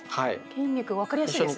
筋肉分かりやすいですね。